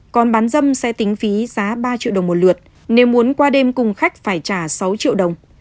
còn bán dâm sẽ tính phí giá ba triệu đồng một lượt nếu muốn qua đêm cùng khách phải trả sáu triệu đồng